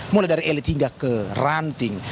mulai dari elit hingga ke ranting